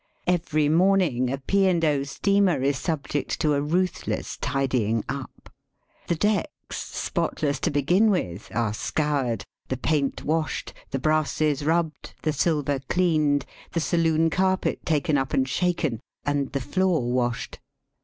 Every morning a P. and 0. steamer is subject to a ruthless tidying up." The decks, spotless to begin with, are scoured, the paint washed, the brasses rubbed, the silver cleaned, the saloon carpet taken up and shaken, and the floor washed.